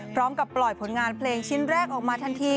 พร้อมกับปล่อยผลงานเพลงชิ้นแรกออกมาทันที